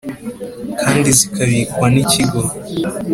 kandi zikabikwa n Ikigo